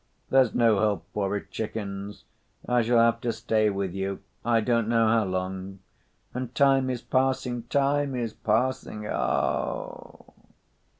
There's no help for it, chickens, I shall have to stay with you I don't know how long. And time is passing, time is passing, oogh!"